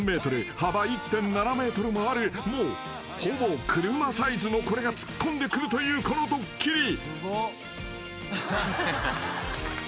幅１．７ｍもあるもうほぼ車サイズのこれが突っ込んでくるというこのドッキリ］